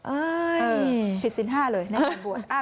เอ้ยผิดสินห้าเลยในงานบวช